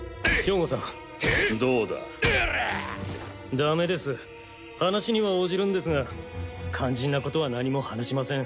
ダメです話には応じるんですが肝心なことは何も話しません。